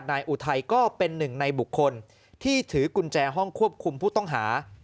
อุทัยก็เป็นหนึ่งในบุคคลที่ถือกุญแจห้องควบคุมผู้ต้องหา